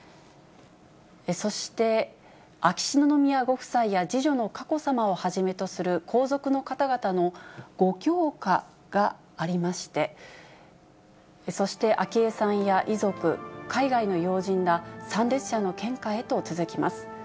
そして秋篠宮ご夫妻や次女の佳子さまをはじめとする皇族の方々のご供花がありまして、そして、昭恵さんや遺族、海外の要人ら参列者の献花へと続きます。